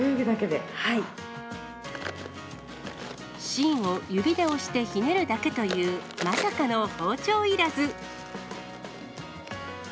芯を指で押してひねるだけという、まさかの包丁いらず。